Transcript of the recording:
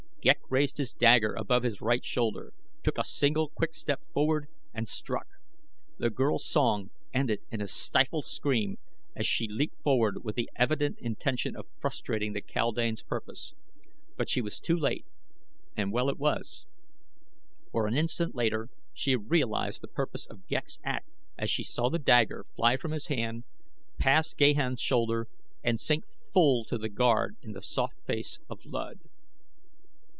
Ghek raised his dagger above his right shoulder, took a single quick step forward, and struck. The girl's song ended in a stifled scream as she leaped forward with the evident intention of frustrating the kaldane's purpose; but she was too late, and well it was, for an instant later she realized the purpose of Ghek's act as she saw the dagger fly from his hand, pass Gahan's shoulder, and sink full to the guard in the soft face of Luud.